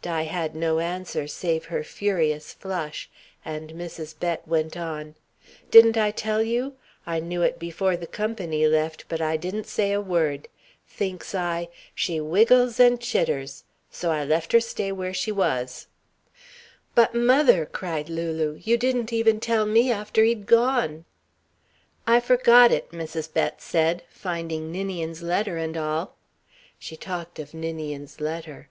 Di had no answer save her furious flush, and Mrs. Bett went on: "Didn't I tell you? I knew it before the company left, but I didn't say a word. Thinks I, 'She's wiggles and chitters.' So I left her stay where she was." "But, mother!" Lulu cried. "You didn't even tell me after he'd gone." "I forgot it," Mrs. Bett said, "finding Ninian's letter and all " She talked of Ninian's letter.